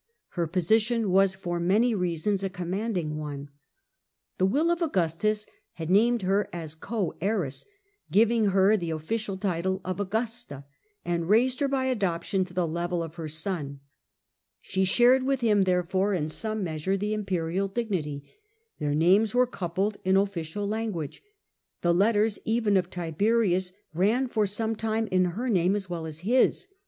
Her position was for many reasons a commanding one. The will of Augustus had named her as co heiress, given her the official title of Augusta, and raised called her by adoption to the level of her son. She Augusta, shared with him, therefore, in some measure the imperial dignity ; their names were coupled in official language ; the letters even of Tiberius ran for some time in her name as well as his.